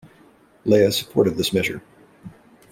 Lea supported this measure.